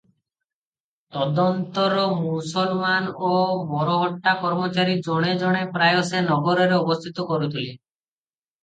ତଦନନ୍ତର ମୁସଲମାନ ଓ ମରହଟ୍ଟା କର୍ମଚାରୀ ଜଣେ ଜଣେ ପ୍ରାୟ ସେ ନଗରରେ ଅବସ୍ଥିତ କରୁଥିଲେ ।